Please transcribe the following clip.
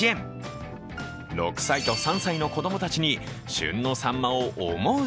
６歳と３歳の子どもたちに旬のさんまを思う